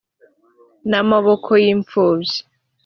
n amaboko y imfubyi